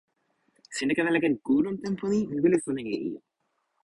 sina ken ala ken ku lon tenpo ni? mi wile sona e ijo.